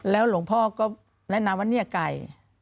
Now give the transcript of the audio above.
หลวงพ่อก็แนะนำว่าเนี่ยไก่